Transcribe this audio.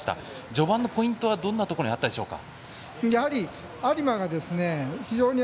序盤のポイントはどんなところにあったでしょうか。